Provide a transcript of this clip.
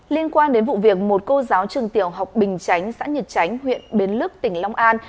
liên quan đến vụ việc một cô giáo trường tiểu học bình chánh xã nhật chánh huyện bến lức tỉnh long an